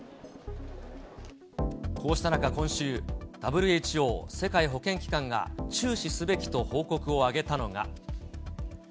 こうした中、今週、ＷＨＯ・世界保健機関が注視すべきと報告を挙げたのが。